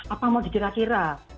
apa mau dikira kira